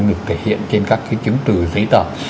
không được thể hiện trên các cái chứng từ giấy tờ